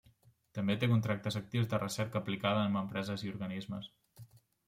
Té també contractes actius de recerca aplicada amb empreses i organismes.